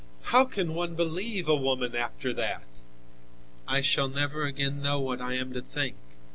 How can one believe a woman after that? I shall never again know what I am to think.